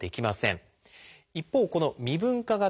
一方この未分化型